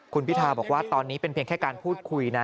คุณพิทาบอกว่าตอนนี้เป็นเพียงแค่การพูดคุยนะ